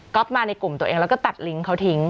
ก็มาในกลุ่มตัวเองแล้วก็ตัดลิงก์เขาทิ้ง